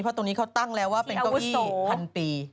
เพราะตรงนี้เขาตั้งแล้วว่าเป็นเก้าอี้พันปี